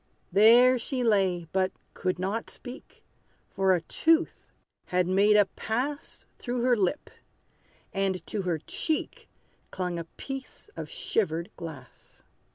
There she lay, but could not speak; For a tooth had made a pass Through her lip; and to her cheek Clung a piece of shivered glass.